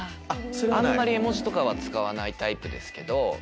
あんまり絵文字とかは使わないタイプですけど。